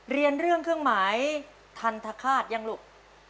เรียนเรื่องเครื่องหมายทันทคาตยังลูก